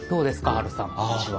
ハルさんうちは。